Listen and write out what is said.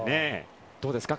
どうですか？